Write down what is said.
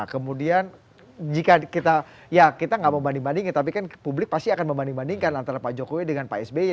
kemudian jika kita ya kita nggak membanding bandingin tapi kan publik pasti akan membanding bandingkan antara pak jokowi dengan pak sby